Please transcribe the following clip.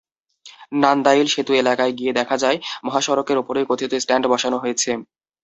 নান্দাইল সেতু এলাকায় গিয়ে দেখা যায়, মহাসড়কের ওপরই কথিত স্ট্যান্ড বসানো হয়েছে।